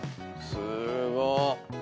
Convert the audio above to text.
すーごっ。